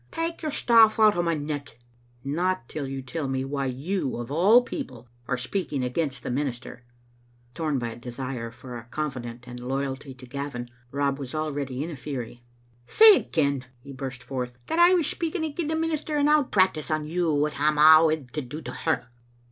" Take your staff out o' my neck." "Not till you tell me why you, of all people, are speaking against the minister." Tom by a desire for a confidant and loyalty to Gavin, Rob was already in a fury. Say again," he burst forth, that I was speaking agin the minister and I'll practise on you what I'm awid to do to her."